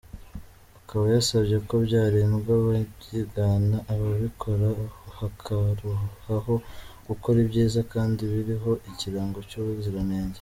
Akaba yasabye ko byarindwa ababyigana, ababikora bakaruhaho gukora ibyiza kandi biriho ikirango cy’ubuziranenge.